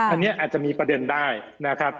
อันนี้อาจจะมีประเด็นได้นะครับ